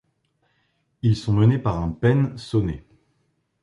Ils sont menés par un penn soner.